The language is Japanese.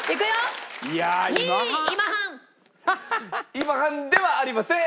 今半ではありませーん！